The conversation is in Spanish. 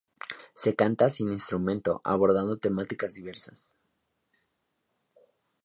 Se canta sin instrumento, abordando temáticas diversas.